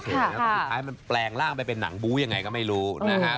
แล้วสุดท้ายมันแปลงร่างไปเป็นหนังบู้ยังไงก็ไม่รู้นะฮะ